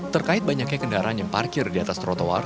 terkait banyaknya kendaraan yang parkir di atas trotoar